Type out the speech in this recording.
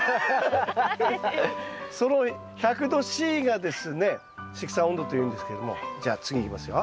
その１００℃がですね積算温度というんですけれどもじゃあ次いきますよ。